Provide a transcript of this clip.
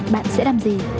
bạn sẽ làm gì